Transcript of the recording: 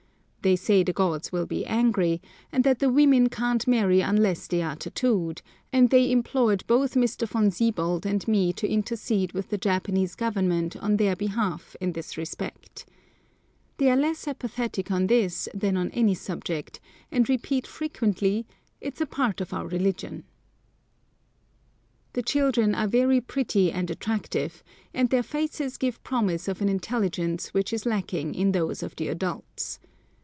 They say the gods will be angry, and that the women can't marry unless they are tattooed; and they implored both Mr. Von Siebold and me to intercede with the Japanese Government on their behalf in this respect. They are less apathetic on this than on any subject, and repeat frequently, "It's a part of our religion." [Picture: Tattooed Female Hand] The children are very pretty and attractive, and their faces give promise of an intelligence which is lacking in those of the adults.